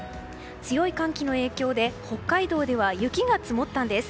強い寒気の影響で北海道では雪が積もったんです。